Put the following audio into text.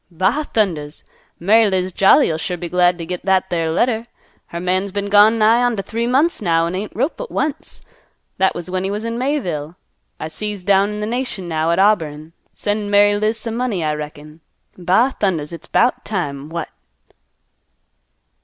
"Ba thundas! Mary Liz Jolly'll sure be glad t' git that there letter. Her man's been gone nigh onto three months now, an' ain't wrote but once. That was when he was in Mayville. I see he's down in th' nation now at Auburn, sendin' Mary Liz some money, I reckon. Ba thundas, it's 'bout time! What!"